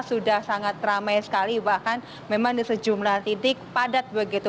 sudah sangat ramai sekali bahkan memang di sejumlah titik padat begitu